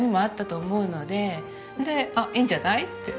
で「あっいいんじゃない？」って。